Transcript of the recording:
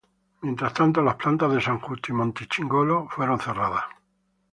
Mientras tanto las plantas de San Justo y Monte Chingolo fueron cerradas.